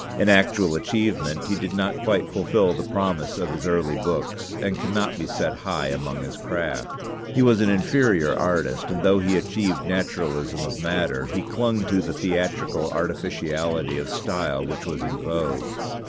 In actual achievement he did not quite fulfill the promise of his early books, and cannot be set high among his craft. He was an inferior artist; and though he achieved naturalism of matter, he clung to the theatrical artificiality of style which was in vogue.